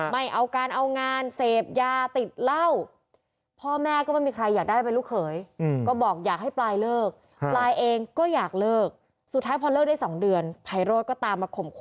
ไม่เอาการเอางานเสพยาติดเล่า